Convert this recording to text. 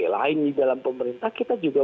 lain di dalam pemerintah kita juga